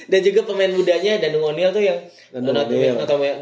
dan juga pemain mudanya danu o neal tuh yang